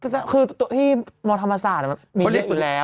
แต่คือตัวที่มธรรมศาสตร์มีอยู่แล้ว